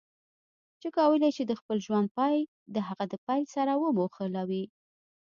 چې کولای شي د خپل ژوند پای د هغه د پیل سره وموښلوي.